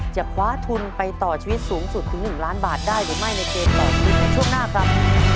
จะคว้าทุนไปต่อชีวิตสูงสุดถึง๑ล้านบาทได้หรือไม่ในเกมต่อชีวิตในช่วงหน้าครับ